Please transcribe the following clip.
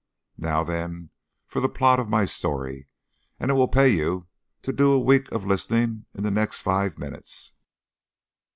Now then, for the plot of my story, and it will pay you to do a week of listening in the next five minutes.